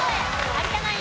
有田ナイン